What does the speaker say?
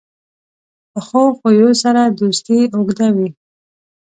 پخو خویو سره دوستي اوږده وي